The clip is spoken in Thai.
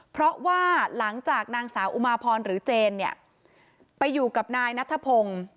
เพราะว่าหลังจากนางสาวอุมาพรหรือเจนเนี่ยไปอยู่กับนายนัทพงศ์